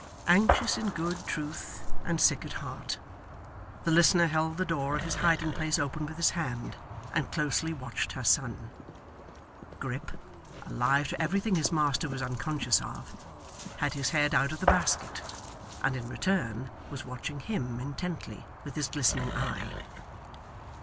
Anxious in good truth, and sick at heart! The listener held the door of his hiding place open with his hand, and closely watched her son. Grip alive to everything his master was unconscious of had his head out of the basket, and in return was watching him intently with his glistening eye.